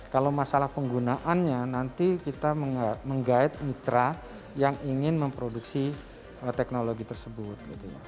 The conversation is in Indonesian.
kalau masalah penggunaannya nanti kita menggait mitra yang ingin memproduksi teknologi tersebut